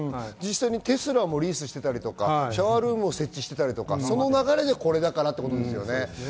テスラもリースしていたりとか、シャワールームも設置していたりとか、その流れのこれだからです。